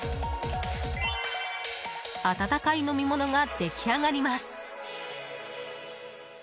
温かい飲み物が出来上がります。